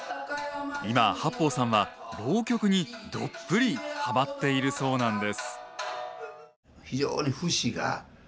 今八方さんは浪曲にどっぷりハマっているそうなんです。